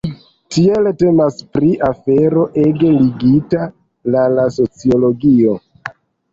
Tiele temas pri afero ege ligita la la sociologio.